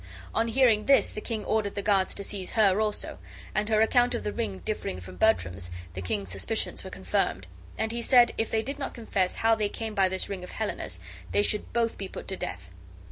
On hearing this the king ordered the guards to seize her also; and, her account of the ring differing from Bertram's, the king's suspicions were confirmed, and he said if they did not confess how they came by this ring of Helena's they should be both put to death.